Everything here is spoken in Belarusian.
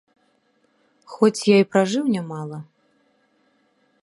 Хоць я і пражыў нямала.